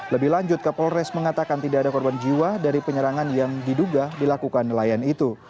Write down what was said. lebih lanjut kapolres mengatakan tidak ada korban jiwa dari penyerangan yang diduga dilakukan nelayan itu